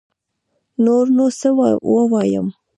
نور نو سه ووايم